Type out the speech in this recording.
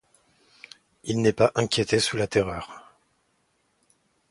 Il n'est pas inquiété sous la Terreur.